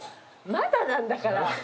まだなんだからねぇ。